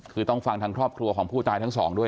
คือต้องฟังทางครอบครัวของผู้ตายทั้งสองด้วย